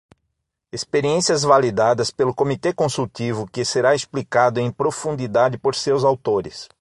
Experiências validadas pelo comitê consultivo que será explicado em profundidade por seus autores.